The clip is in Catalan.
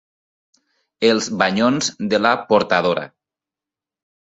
Els banyons de la portadora.